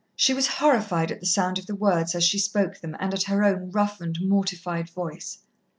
She was horrified at the sound of the words as she spoke them, and at her own roughened, mortified voice.